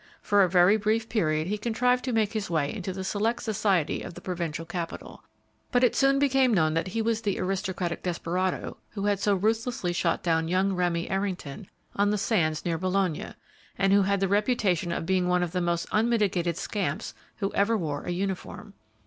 For a very brief period he contrived to make his way into the select society of the Provincial capital; but it soon became known that he was the aristocratic desperado who had so ruthlessly shot down young Remy Errington on the sands near Boulogne, and who had the reputation of being one of the most unmitigated scamps who ever wore uniform.